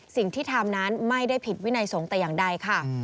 สิ่งที่ทำนั้นไม่ได้ผิดวินัยสงฆ์แต่อย่างใดค่ะ